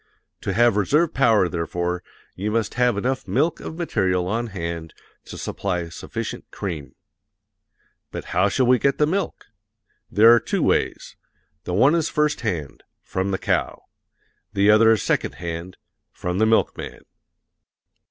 To have reserve power, therefore, you must have enough milk of material on hand to supply sufficient cream. But how shall we get the milk? There are two ways: the one is first hand from the cow; the other is second hand from the milkman.